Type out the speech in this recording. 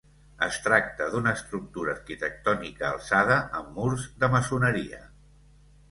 Es tracta d'una estructura arquitectònica alçada amb murs de maçoneria.